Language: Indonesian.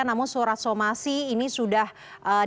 namun surat somasi ini sudah diberikan